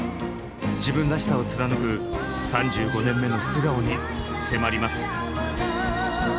自分らしさを貫く３５年目の素顔に迫ります。